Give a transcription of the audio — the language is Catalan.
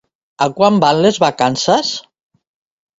A quant van les vacances?